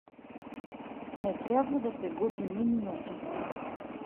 Не трябва да се губи ни минута.